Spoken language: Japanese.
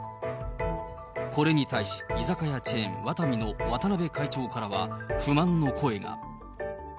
これに対し、居酒屋チェーン、ワタミの渡邉会長からは、不満の声が。